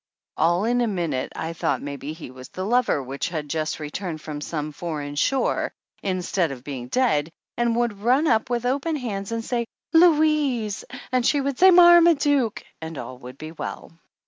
All in a minute I thought maybe he was the lover which had just returned from some foreign shore, in 156 THE ANNALS OF ANN stead of being dead, and would run up with open hands and say, "Louise," and she would say, "Marmaduke," and all would be well.